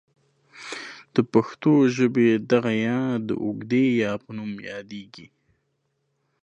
د پښتو ژبې دغه ې د اوږدې یا په نوم یادیږي.